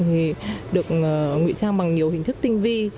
thì được ngụy trang bằng nhiều hình thức tinh vi